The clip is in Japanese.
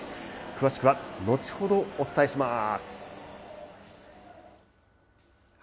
詳しくは後ほどお伝えします。